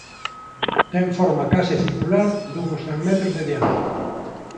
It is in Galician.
Ten forma case circular duns cen metros de diámetro.